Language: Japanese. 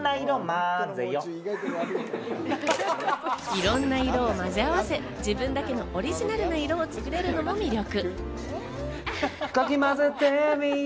いろんな色を混ぜ合わせ自分だけのオリジナルな色をつくれるのも魅力。